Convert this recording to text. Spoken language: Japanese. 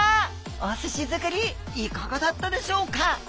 お寿司づくりいかがだったでしょうか？